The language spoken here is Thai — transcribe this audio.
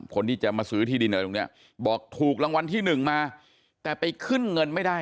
คนที่จะมาซื้อที่ดินอะไรตรงเนี้ยบอกถูกรางวัลที่หนึ่งมาแต่ไปขึ้นเงินไม่ได้